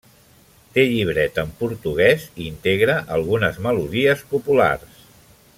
Té llibret en portuguès i integra algunes melodies populars.